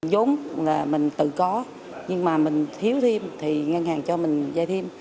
dốn là mình tự có nhưng mà mình thiếu thêm thì ngân hàng cho mình dây thêm